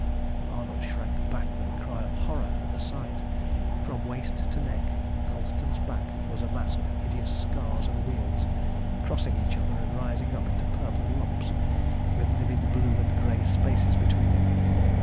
Arnold shrank back with a cry of horror at the sight. From waist to neck Colston's back was a mass of hideous scars and wheals, crossing each other and rising up into purple lumps, with livid blue and grey spaces between them.